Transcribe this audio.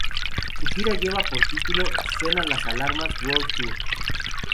Su gira lleva por título Suenan las Alarmas World Tour.